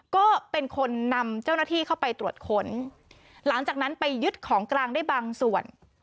ก็เป็นคนนำเจ้าหน้าที่เข้าไปตรวจค้นหลังจากนั้นไปยึดของกลางได้บางส่วน